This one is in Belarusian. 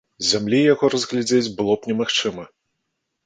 З зямлі яго разгледзець было б немагчыма.